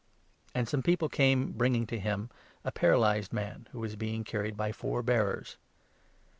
And some people came bringing to him a paralyzed man, who 3 was being carried by four bearers.